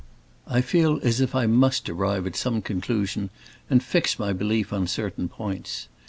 I feel as if I must arrive at some conclusion and fix my belief on certain points.